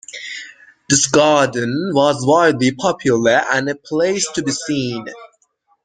This garden was wildly popular and a place to be seen.